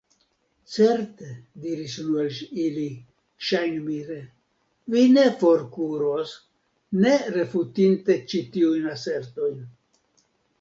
Certe, diris unu el ili, ŝajnmire, vi ne forkuros, ne refutinte ĉi tiujn asertojn!